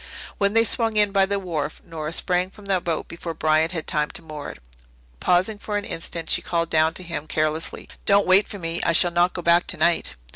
When they swung in by the wharf Nora sprang from the boat before Bryant had time to moor it. Pausing for an instant, she called down to him, carelessly, "Don't wait for me. I shall not go back tonight."